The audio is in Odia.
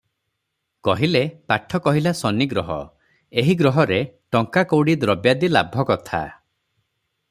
କହିଲେ, "ପାଠ କହିଲା, ଶନିଗ୍ରହ- ଏହି ଗ୍ରହରେ ଟଙ୍କା କଉଡ଼ି ଦ୍ରବ୍ୟାଦି ଲାଭକଥା ।"